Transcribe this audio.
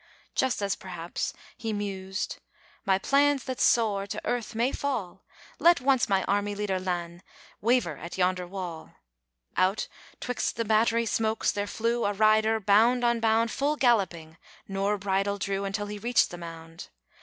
Just as perhaps he mused "My plans That soar, to earth may fall, Let once my army leader Lannes Waver at yonder wall," Out 'twixt the battery smokes there flew A rider, bound on bound Full galloping; nor bridle drew Until he reached the mound.